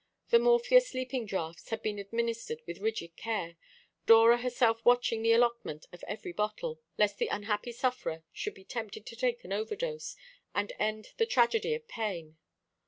The morphia sleeping draughts had been administered with rigid care, Dora herself watching the allotment of every bottle, lest the unhappy sufferer should be tempted to take an overdose and end the tragedy of pain.